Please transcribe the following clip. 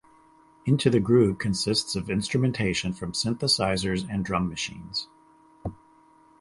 "Into the Groove" consists of instrumentation from synthesizers and drum machines.